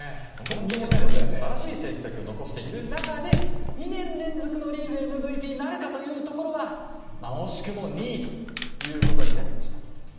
素晴らしい成績を残している中で２年連続のリーグＭＶＰなるかというところは惜しくも２位ということになりました。